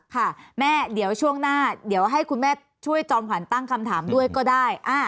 ค่ะแม่เดี๋ยวช่วงหน้าเดี๋ยวให้คุณแม่ช่วยจอมขวัญตั้งคำถามด้วยก็ได้